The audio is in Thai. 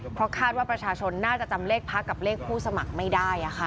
เพราะคาดว่าประชาชนน่าจะจำเลขพักกับเลขผู้สมัครไม่ได้